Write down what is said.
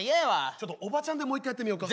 ちょっとおばちゃんでもう一回やってみよか？